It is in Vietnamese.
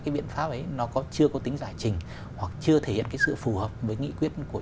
cái biện pháp ấy nó chưa có tính giải trình hoặc chưa thể hiện cái sự phù hợp với nghị quyết của